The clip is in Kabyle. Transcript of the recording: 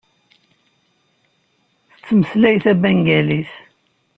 Tettmeslay tabengalit.